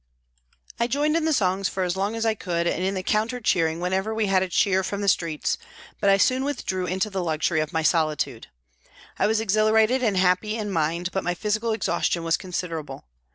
I joined in the songs for as long as I could and in the counter cheering whenever we had a cheer from the streets, but I soon withdrew into the luxury of my solitude. I was exhilarated and happy in mind, but my physical exhaustion was considerable.